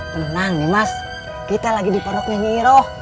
tenang nyimas kita lagi di peroknya nyiroh